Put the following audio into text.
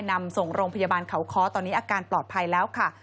นำส่งโรงพยาบาลเขาค้อตอนนี้อาการปลอดภัยแล้วค่ะ